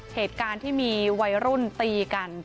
เหตุการณ์ที่มีวัยรุ่นตีกัน